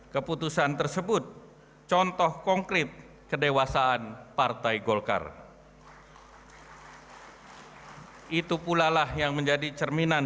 keputusan tersebut contoh konkret kedewasaan partai golkar itu pula lah yang menjadi cerminan